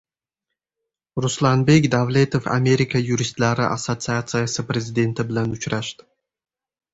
Ruslanbek Davletov Amerika yuristlari assotsiatsiyasi prezidenti bilan uchrashdi